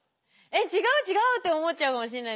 えっ違う違うって思っちゃうかもしれないです。